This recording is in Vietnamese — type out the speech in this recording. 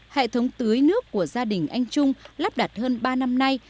hệ thống tưới nước của gia đình anh trung lắp đặt hơn ba năm nay